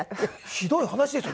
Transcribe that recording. ひどい話ですよ。